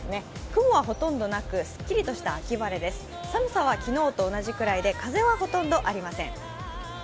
雲はほとんどなく、すっきりとした秋晴れは寒さは昨日と同じくらいで風はほとんどありません。